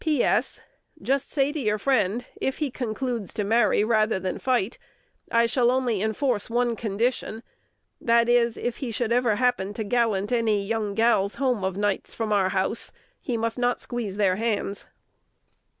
P. S. Jist say to your friend, if he concludes to marry rather than fight, I shall only inforce one condition: that is, if he should ever happen to gallant any young gals home of nights from our house, he must not squeeze their hands.